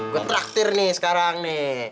gue traktir nih sekarang nih